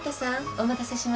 お待たせしました。